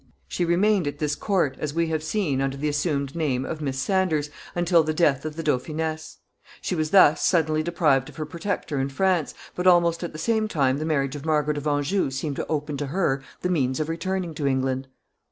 She remained at this court, as we have seen, under the assumed name of Miss Sanders, until the death of the dauphiness. She was thus suddenly deprived of her protector in France, but almost at the same time the marriage of Margaret of Anjou seemed to open to her the means of returning to England.